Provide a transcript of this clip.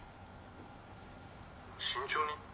慎重に？